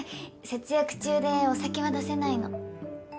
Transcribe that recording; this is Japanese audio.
節約中でお酒は出せないの。